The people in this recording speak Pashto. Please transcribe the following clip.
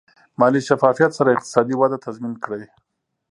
مالي شفافیت سره اقتصادي وده تضمین کړئ.